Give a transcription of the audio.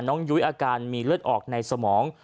ยุ้ยอาการมีเลือดออกในสมอง